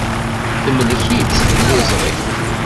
Temlek-itt tliẓri.